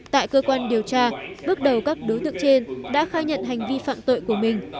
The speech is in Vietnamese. tại cơ quan điều tra bước đầu các đối tượng trên đã khai nhận hành vi phạm tội của mình